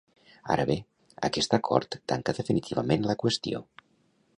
Ara bé, aquest acord tanca definitivament la qüestió.